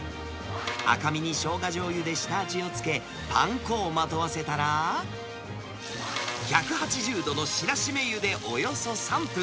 赤身にしょうがじょうゆで下味をつけ、パン粉をまとわせたら、１８０度の白絞油でおよそ３分。